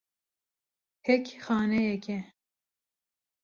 Hêk xaneyek e.